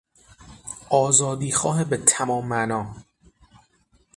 آزادیخواه به تمام معنی